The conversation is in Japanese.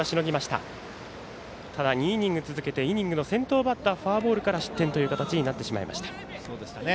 ただ２イニング続けてイニングの先頭バッターフォアボールから失点という形になってしまいました。